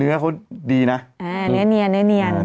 เนื้อเนียนเนื้อเนียน